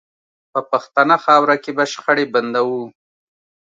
په پښتنه خاوره کې به شخړې بندوو